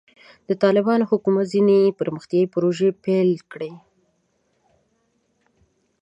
د طالبانو حکومت ځینې پرمختیایي پروژې پیل کړې.